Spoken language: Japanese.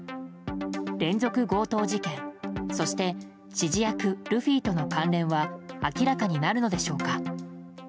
連続強盗事件そして指示役ルフィとの関連は明らかになるのでしょうか。